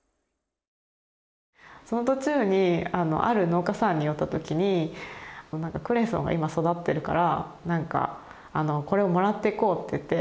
その途中にある農家さんに寄ったときにクレソンが今育ってるからこれをもらっていこうって言って。